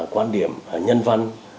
quan điểm nhân văn